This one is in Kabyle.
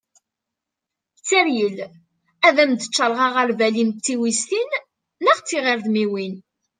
tteryel ad am-d-ččareγ aγerbal-im d tiwiztin neγ tiγredmiwin